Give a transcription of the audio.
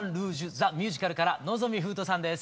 ザ・ミュージカル」から望海風斗さんです。